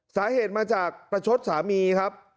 สาเหตุมาจากประชดสามีครับ